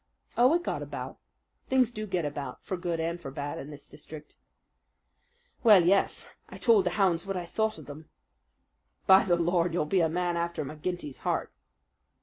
"Oh, it got about things do get about for good and for bad in this district." "Well, yes. I told the hounds what I thought of them." "By the Lord, you'll be a man after McGinty's heart!"